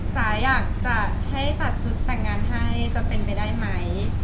จ๋าอยากจะให้ตัดชุดแต่งงานให้จะเป็นไปได้ไหม